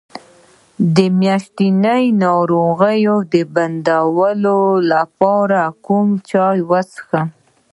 د میاشتنۍ ناروغۍ د بندیدو لپاره کوم چای وڅښم؟